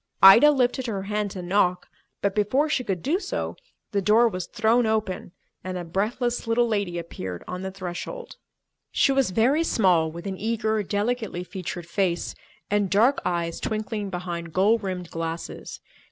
Ida lifted her hand to knock, but before she could do so, the door was thrown open and a breathless little lady appeared on the threshold. She was very small, with an eager, delicately featured face and dark eyes twinkling behind gold rimmed glasses.